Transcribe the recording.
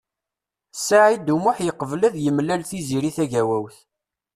Saɛid U Muḥ yeqbel ad yemlal Tiziri Tagawawt.